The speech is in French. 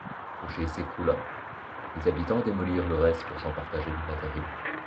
Le clocher s’écroula, les habitants démolirent le reste pour s’en partager les matériaux.